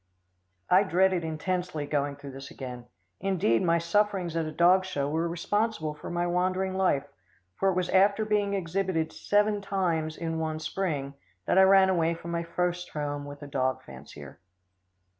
I dreaded intensely going through this again indeed my sufferings at a dog show were responsible for my wandering life, for it was after being exhibited seven times in one spring, that I ran away from my first home with a dog fancier.